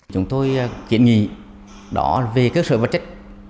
chúng tôi kiện nghị đó về cơ sở vật chất